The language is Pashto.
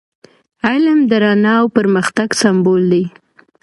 علم د رڼا او پرمختګ سمبول دی.